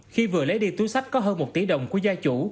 khi vừa lấy đi túi sách có hơn một tỷ đồng của gia chủ